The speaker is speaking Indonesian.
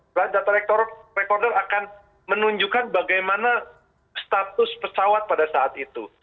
berarti data recorder akan menunjukkan bagaimana status pesawat pada saat itu